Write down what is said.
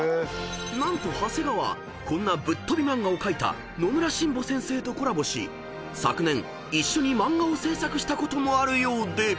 ［何と長谷川こんなぶっ飛び漫画を描いたのむらしんぼ先生とコラボし昨年一緒に漫画を制作したこともあるようで］